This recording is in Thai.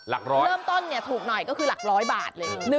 หลักร้อยเริ่มต้นถูกหน่อยก็คือหลักร้อยบาท